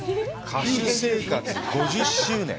歌手生活５０周年。